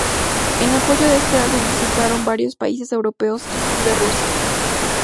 En apoyo de este álbum, visitaron varios países europeos, incluido Rusia.